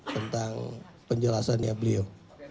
tentang penjelasannya beliau